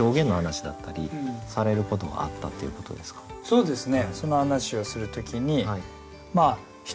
そうですね